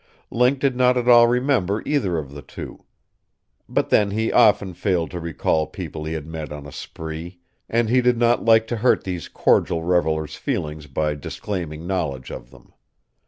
Link did not at all remember either of the two. But then he often failed to recall people he had met on a spree, and he did not like to hurt these cordial revelers' feelings by disclaiming knowledge of them.